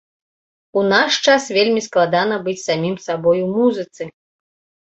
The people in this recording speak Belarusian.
У наш час вельмі складана быць самім сабой у музыцы.